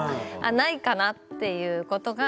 ないかなっていうことが。